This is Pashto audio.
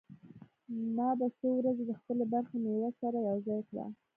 ما به څو ورځې د خپلې برخې مېوه سره يوځاى کړه.